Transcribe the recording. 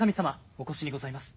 お越しにございます。